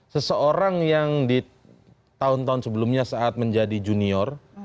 seseorang yang di tahun tahun sebelumnya saat menjadi junior